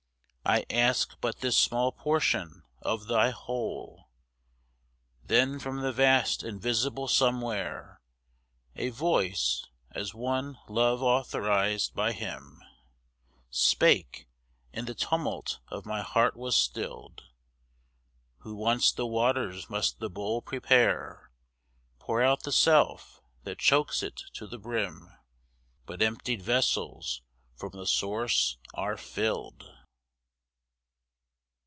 I ask but this small portion of Thy whole.' Then from the vast invisible Somewhere, A voice, as one love authorised by Him, Spake, and the tumult of my heart was stilled. 'Who wants the waters must the bowl prepare; Pour out the self, that chokes it to the brim, But emptied vessels, from the source are filled.